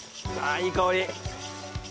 いい香り！